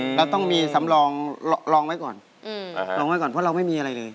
อืมแล้วต้องมีสำรองรองไว้ก่อนอืมรองไว้ก่อนเพราะเราไม่มีอะไรเลย